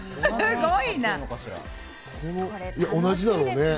同じだろうね。